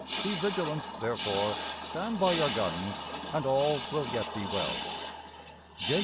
Be vigilant, therefore, stand by your guns, and all will yet be well. "J.